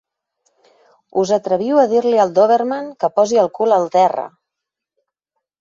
Us atreviu a dir-li al dòberman que posi el cul al terra.